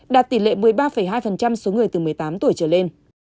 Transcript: đạt tỷ lệ một mươi ba hai số người từ một mươi tám tuổi trở lên